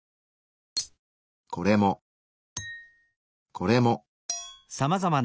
これも。これも。